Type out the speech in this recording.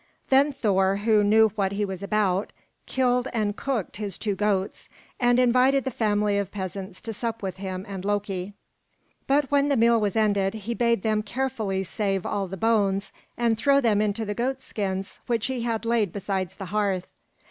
Then Thor, who knew what he was about, killed and cooked his two goats, and invited the family of peasants to sup with him and Loki; but when the meal was ended, he bade them carefully save all the bones and throw them into the goatskins which he had laid beside the hearth.